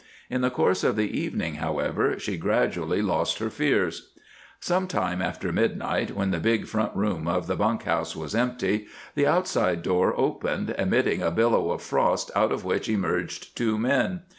In the course of the evening, however, she gradually lost her fears. Some time after midnight, when the big front room of the bunk house was empty, the outside door opened, admitting a billow of frost out of which emerged two men.